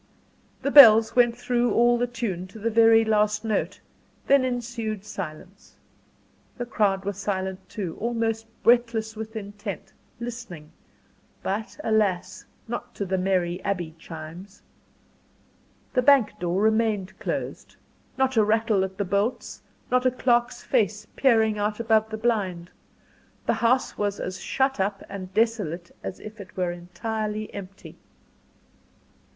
The bells went through all the tune, to the very last note then ensued silence. The crowd were silent too almost breathless with intent listening but, alas! not to the merry Abbey chimes. The bank door remained closed not a rattle at the bolts, not a clerk's face peering out above the blind. The house was as shut up and desolate as if it were entirely empty.